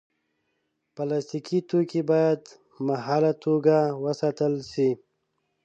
پلاستيکي توکي باید مهاله توګه وساتل شي.